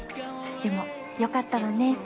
でもよかったわね